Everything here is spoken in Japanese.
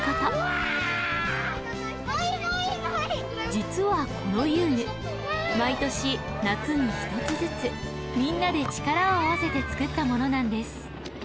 実はこの遊具毎年夏に一つずつみんなで力を合わせて作ったものなんです。